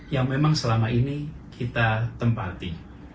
yang memang selama ini kita tempati